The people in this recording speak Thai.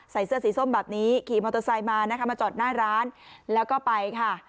ใส่เสื้อสีส้มแบบนี้ขี่มอเตอร์ไซค์มานะคะมาจอดหน้าร้านแล้วก็ไปค่ะ